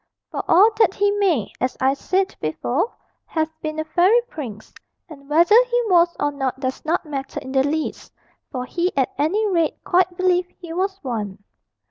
For all that he may, as I said before, have been a fairy prince, and whether he was or not does not matter in the least for he at any rate quite believed he was one.